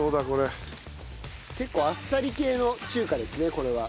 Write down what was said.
結構あっさり系の中華ですねこれは。